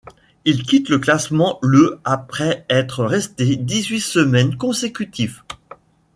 Il quitte le classement le après être resté dix-huit semaines consécutifs.